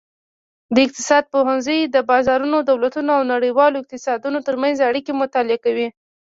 د اقتصاد پوهنځی د بازارونو، دولتونو او نړیوالو اقتصادونو ترمنځ اړیکې مطالعه کوي.